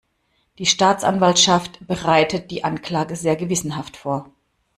Die Staatsanwaltschaft bereitet die Anklage sehr gewissenhaft vor.